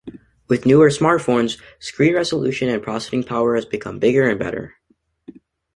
With newer smartphones, screen resolution and processing power has become bigger and better.